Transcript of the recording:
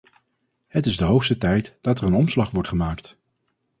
Het is de hoogste tijd dat er een omslag wordt gemaakt.